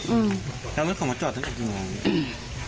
อืมแล้วเมื่อกี้ผมมาจอดตั้งแต่เมื่อไหร่